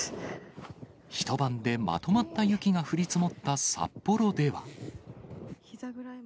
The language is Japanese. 一晩でまとまった雪が降り積もった札幌では。